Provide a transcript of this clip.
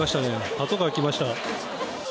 パトカーが来ました。